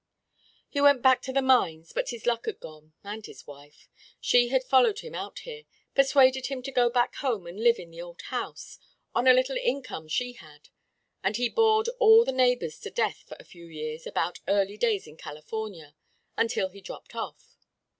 He went back to the mines, but his luck had gone, and his wife she had followed him out here persuaded him to go back home and live in the old house, on a little income she had; and he bored all the neighbors to death for a few years about 'early days in California' until he dropped off.